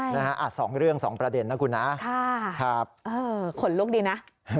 นะฮะสองเรื่องสองประเด็นนะคุณนะค่ะครับเออขนลุกดีนะ